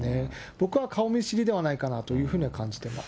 僕は顔見知りではないかなというふうには感じてます。